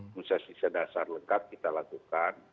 imunisasi sedasar lengkap kita lakukan